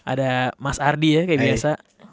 ada mas ardi ya kayak biasa